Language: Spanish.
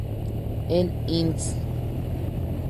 El inc.